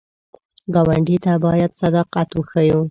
ګاونډي ته باید صداقت وښیو